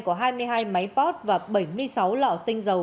có hai mươi hai máy pot và bảy mươi sáu lọ tinh dầu